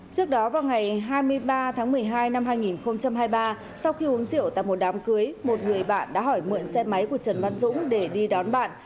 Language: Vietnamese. trước đó vào ngày hai mươi ba tháng một mươi hai năm hai nghìn hai mươi ba sau khi uống rượu tại một đám cưới một người bạn đã hỏi mượn xe máy của trần văn dũng để đi đón bạn